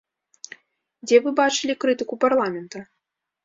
Дзе вы бачылі крытыку парламента?